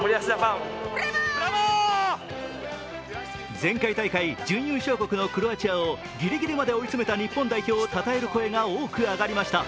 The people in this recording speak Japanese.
前回大会準優勝国のクロアチアをぎりぎりまで追い詰めた日本代表をたたえる声が多くあがりました。